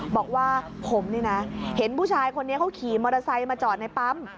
บอกว่าผมนี่นะเห็นผู้ชายคนนี้เขาขี่มอเตอร์ไซค์มาจอดในปั๊ม